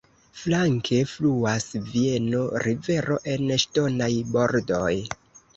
Flanke fluas Vieno-rivero en ŝtonaj bordoj.